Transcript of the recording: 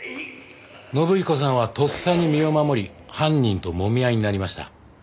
信彦さんはとっさに身を守り犯人ともみ合いになりました。